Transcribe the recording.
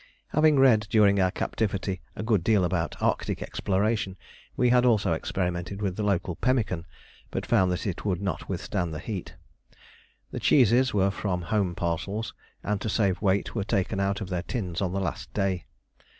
Having read during our captivity a good deal about Arctic exploration, we had also experimented with the local pemmican, but found it would not withstand the heat. The cheeses were from home parcels, and to save weight were taken out of their tins on the last day.